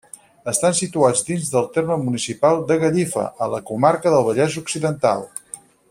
Estan situats dins del terme municipal de Gallifa, a la comarca del Vallès Occidental.